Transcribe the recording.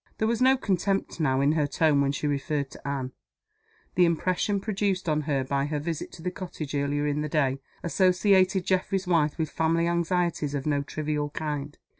There was no contempt now in her tone when she referred to Anne. The impression produced on her by her visit to the cottage, earlier in the day, associated Geoffrey's wife with family anxieties of no trivial kind.